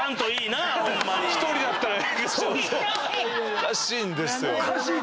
おかしいんですよ。